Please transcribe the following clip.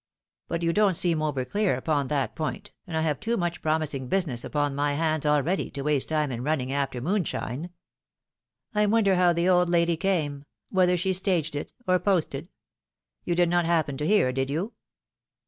But you don't seem over clear upon that point, ^nd I have too much promising business upon my hands already, to waste time in running after moonshine. I wonder how the old lady came, whether she staged it, or posted? You did not happen to hear, did you